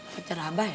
pacar abah ya